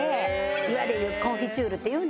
今で言うコンフィチュールっていうの？